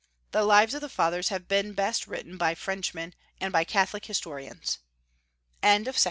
The Lives of the Fathers have been best written by Frenchmen, and by Catholic historians. SAINT AMBROSE.